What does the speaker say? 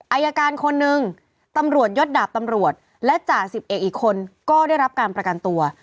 อายการคนนึงตำรวจยศดาบตำรวจและจ่าสิบเอกอีกคนก็ได้รับการประกันตัว